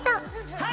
はい！